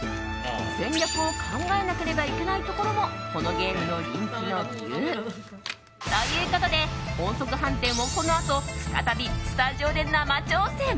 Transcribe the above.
戦略を考えなければいけないところもこのゲームの人気の理由。ということで音速飯店をこのあと再びスタジオで生挑戦！